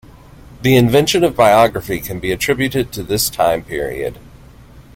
The invention of biography can be attributed to this time period.